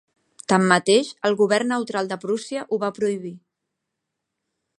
Tanmateix, el govern neutral de Prússia ho va prohibir.